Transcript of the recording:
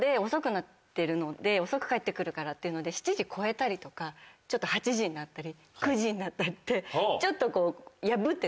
遅く帰って来るからっていうので７時超えたりとかちょっと８時になったり９時になったりってちょっと。